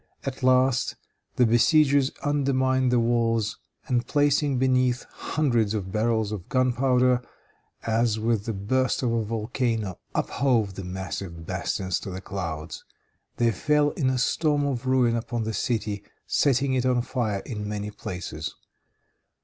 At last the besiegers undermined the walls, and placing beneath hundreds of barrels of gunpowder, as with the burst of a volcano, uphove the massive bastions to the clouds. They fell in a storm of ruin upon the city, setting it on fire in many places.